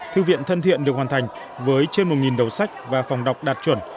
thư viện thân thiện được hoàn thành với trên một đầu sách và phòng đọc đạt chuẩn